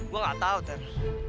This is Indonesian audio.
gue gak tau ter